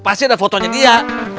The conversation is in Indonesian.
pasti ada fotonya dia